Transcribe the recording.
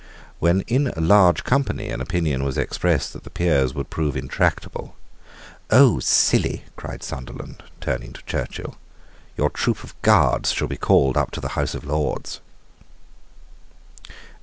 When in a large company an opinion was expressed that the peers would prove intractable, "Oh, silly," cried Sunderland, turning to Churchill, "your troop of guards shall be called up to the House of Lords."